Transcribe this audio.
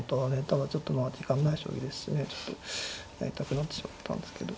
ただちょっとまあ時間ない将棋ですしねちょっとやりたくなってしまったんですけど。